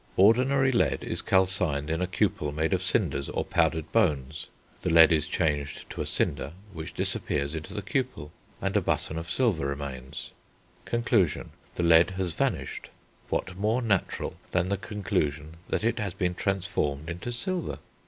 Ordinary lead is calcined in a cupel made of cinders or powdered bones; the lead is changed to a cinder which disappears into the cupel, and a button of silver remains. Conclusion. The lead has vanished; what more natural than the conclusion that it has been transformed into silver?